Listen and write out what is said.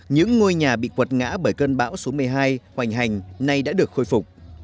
những ngôi nhà bị quật ngã bởi cơn bão số một mươi hai hoành hành nay đã được khôi phục